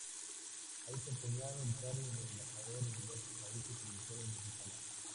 Ha desempeñado el cargo de embajador en diversos países y misiones mexicanas.